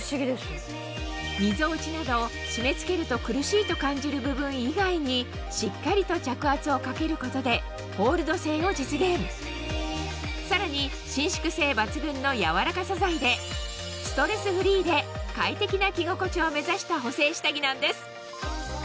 みぞおちなど締め付けると苦しいと感じる部分以外にしっかりと着圧をかけることでホールド性を実現さらに伸縮性抜群の柔らか素材でを目指した補整下着なんです